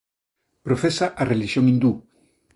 Profesa a relixión hindú.